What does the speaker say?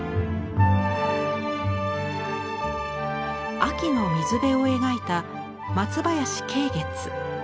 秋の水辺を描いた松林桂月。